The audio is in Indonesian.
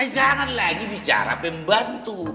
jangan lagi bicara pembantu